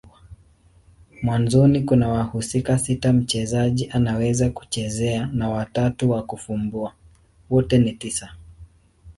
Mwanzoni kuna wahusika sita mchezaji anaweza kuchezea na watatu wa kufumbua. Wote ni tisa.